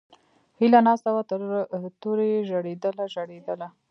ھیلہ ناستہ وہ سر توریی ژڑیدلہ، ژڑیدلہ